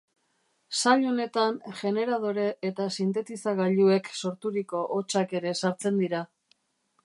Sail honetan generadore eta sintetizagailuek sorturiko hotsak ere sartzen dira.